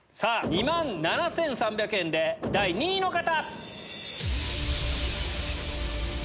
２万７３００円で第２位の方！